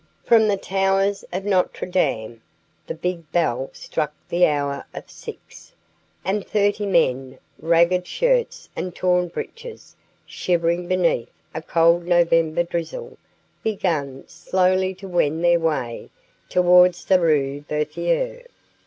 From the towers of Notre Dame the big bell struck the hour of six, as thirty men in ragged shirts and torn breeches, shivering beneath a cold November drizzle, began slowly to wend their way towards the Rue Berthier.